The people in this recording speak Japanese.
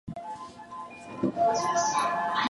ムーズ県の県都はバル＝ル＝デュックである